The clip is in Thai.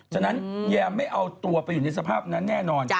ฉะนั้นแยมไม่เอาตัวไปอยู่ในสภาพนั้นแน่นอน